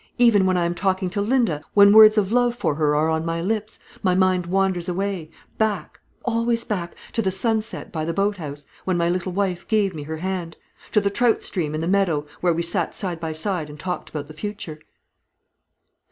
Even when I am talking to Linda, when words of love for her are on my lips, my mind wanders away, back always back to the sunset by the boat house, when my little wife gave me her hand; to the trout stream in the meadow, where we sat side by side and talked about the future."